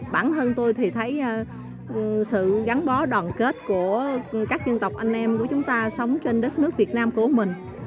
bản thân tôi thì thấy sự gắn bó đoàn kết của các dân tộc anh em của chúng ta sống trên đất nước việt nam của mình